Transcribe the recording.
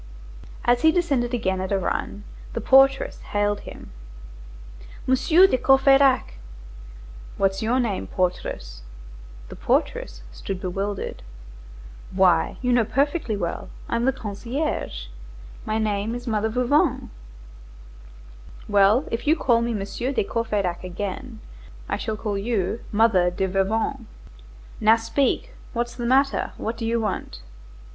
As he descended again at a run, the portress hailed him:— "Monsieur de Courfeyrac!" "What's your name, portress?" The portress stood bewildered. "Why, you know perfectly well, I'm the concierge; my name is Mother Veuvain." "Well, if you call me Monsieur de Courfeyrac again, I shall call you Mother de Veuvain. Now speak, what's the matter? What do you want?"